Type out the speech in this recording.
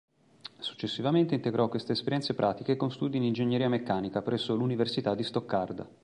Successivamente integrò queste esperienze pratiche con studi in ingegneria meccanica presso l'Università di Stoccarda.